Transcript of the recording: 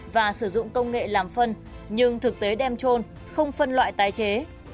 và sử dụng công nghệ làm phân nhưng thực tế đem trôn không phân loại tái chế